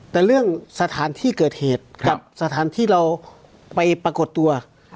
แต่เรื่องสถานที่เกิดเหตุกับสถานที่เราไปปรากฏตัว